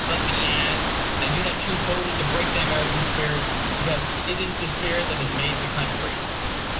Let me add, that I do not choose wholly to break the American spirit; because it is the spirit that has made the country.